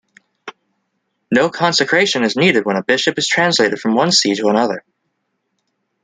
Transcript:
No consecration is needed when a bishop is translated from one see to another.